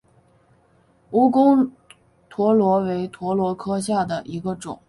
蜈蚣蛇螺为蛇螺科下的一个种。